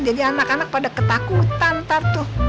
jadi anak anak pada ketakutan ntar tuh